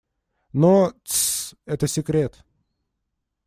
Но... Тссс! - это секрет!